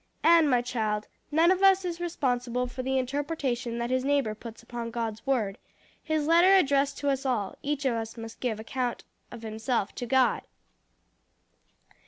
"And, my child, none of us is responsible for the interpretation that his neighbor puts upon God's word, his letter addressed to us all; each of us must give account of himself to God."